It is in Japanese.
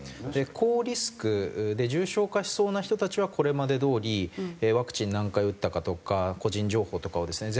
高リスクで重症化しそうな人たちはこれまでどおりワクチン何回打ったかとか個人情報とかをですね